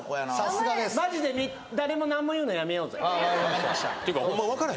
さすがマジで誰も何も言うのやめようぜ・